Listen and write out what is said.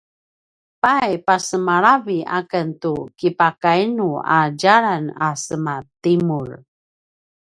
pay pasemalavi aken tu kipakainu a djalan a semaTimur?